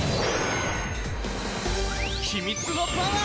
秘密のパワー！